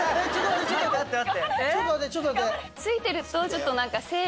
ちょっと待ってちょっと待って！